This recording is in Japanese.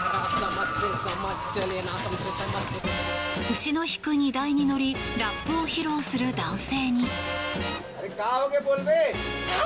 牛の引く荷台に乗りラップを披露する男性に。